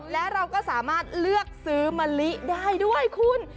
และเราก็สามารถเลือกซื้อมะลิได้ด้วยคุณ